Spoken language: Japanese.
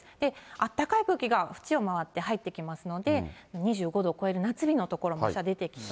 あったかい空気が縁を回って入ってきますので、２５度を超える夏日の所もあした出てきそう。